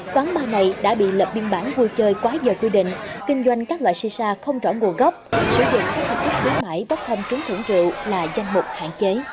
quán ba này đã bị lập biên bản vui chơi quá giờ quy định kinh doanh các loại shisha không rõ nguồn gốc sử dụng các hệ thống đối mại bất thân chứng thưởng rượu là danh mục hạn chế